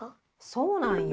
そうなんよ。